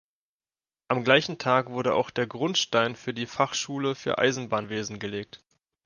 Am gleichen Tag wurde auch der Grundstein für die Fachschule für Eisenbahnwesen gelegt.